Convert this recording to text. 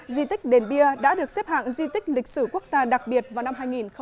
di tích đền bia đã được xếp hạng di tích lịch sử quốc gia đặc biệt vào năm hai nghìn một mươi